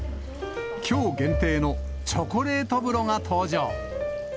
きょう限定のチョコレート風呂が登場。